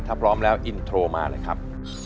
ถ้าพร้อมแล้วอินโทรมาเลยครับ